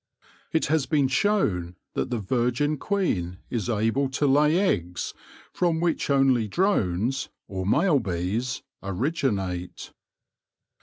It has been shown that the virgin queen is able to lay eggs from which only drones, or male bees, originate.